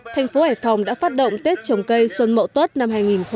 thành phố hải phòng đã phát động tết trồng cây xuân mậu tốt năm hai nghìn một mươi tám